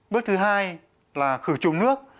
bước thứ hai là khử trùng nước